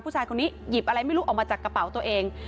ผู้ชายคนนี้หยิบอะไรไม่รู้ออกมาจากกระเป๋าตัวเอง